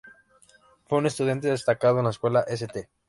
Fue un estudiante destacado en la escuela St.